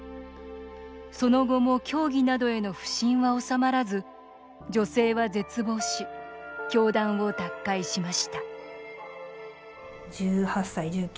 その後も教義などへの不信は収まらず女性は絶望し教団を脱会しました